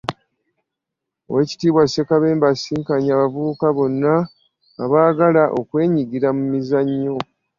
OweekitiibwaSsekabembe asisinkanye abavubuka bonna abaagala okwenyigira mu mizannyo.